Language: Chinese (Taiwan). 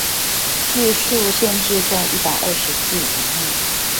字數限制在一百二十字以內